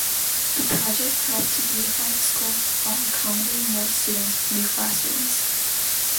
The project helped to beautify the school, while accommodating more students with new classrooms.